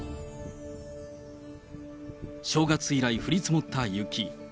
正月以来降り積もった雪。